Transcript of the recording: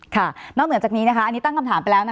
นอกเหนือจากนี้อันนี้ตั้งคำถามไปแล้ว